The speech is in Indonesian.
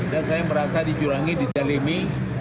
dan saya merasa dicurangi di zolimi